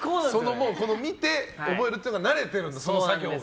見て、覚えるっていうのが慣れてるんだ、作業が。